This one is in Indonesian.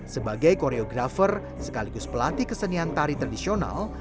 sebagai koreografer sekaligus pelatih kesenian tari tradisional